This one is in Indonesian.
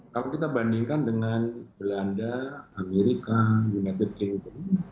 kalau kita bandingkan dengan belanda amerika united chington